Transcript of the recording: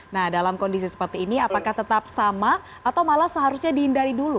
nah dalam kondisi seperti ini apakah tetap sama atau malah seharusnya dihindari dulu